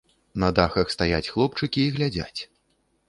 На дахах стаяць хлопчыкі і глядзяць.